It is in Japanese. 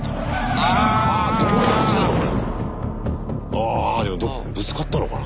あでもぶつかったのかな？